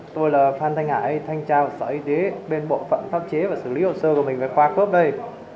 tôi là phan thanh hải thanh trao sở y tế bên bộ phận pháp chế và xử lý hồ sơ của mình về khoa khớp đây